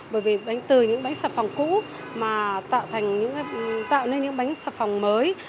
bởi vì từ những bánh sà phòng cũ mà tạo nên những bánh sà phòng mới